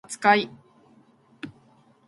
扱い